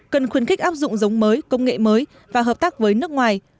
cần khuyến khích áp dụng giống mới công nghệ mới và hợp tác với nước ngoài